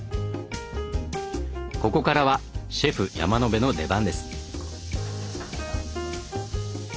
ここからはシェフ・山野辺の出番です。